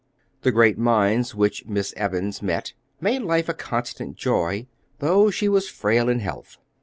The great minds which Miss Evans met made life a constant joy, though she was frail in health.